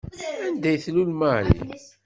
Anda ay tlul Marie?